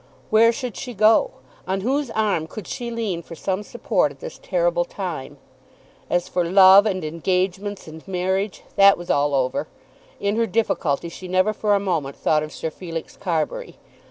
Where should she go? On whose arm could she lean for some support at this terrible time? As for love, and engagements, and marriage, that was all over. In her difficulty she never for a moment thought of Sir Felix Carbury.